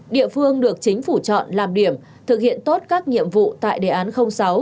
địa phương được chính phủ chọn làm điểm thực hiện tốt các nhiệm vụ tại đề án sáu